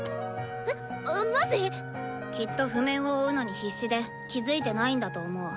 えっマジ⁉きっと譜面を追うのに必死で気付いてないんだと思う。